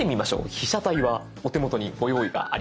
被写体はお手元にご用意があります。